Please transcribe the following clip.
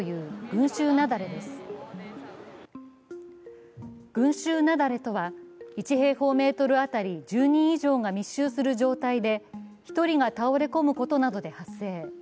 群集雪崩とは、１平方メートル当たり１０人以上が密集する状態で１人が倒れ込むことなどで発生。